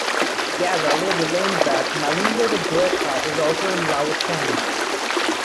Gazza later learns that Malingo the Geshrat is also in love with Candy.